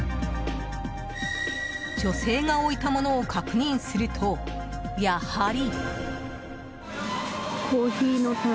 女性が置いたものを確認するとやはり。